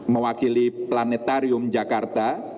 mewakili planetarium jakarta